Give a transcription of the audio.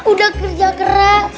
udah kerja keren